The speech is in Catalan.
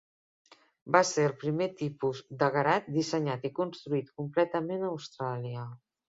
Va ser el primer tipus de Garatt dissenyat i construït completament a Austràlia.